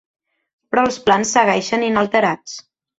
Però els plans segueixen inalterats.